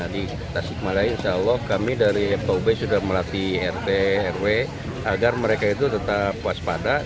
di tasik malaya insya allah kami dari pob sudah melatih rt rw agar mereka itu tetap waspada